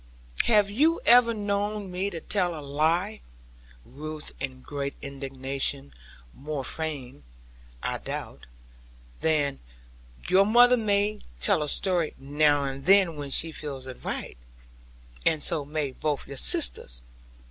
'Have you ever known me tell a lie?' Ruth in great indignation more feigned, I doubt, than real 'your mother may tell a story, now and then when she feels it right; and so may both your sisters.